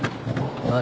何？